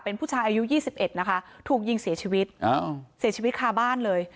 เป็นผู้ชายอายุ๒๑นะคะถูกยิงเสียชีวิตเสียชีวิตคาบ้านเลย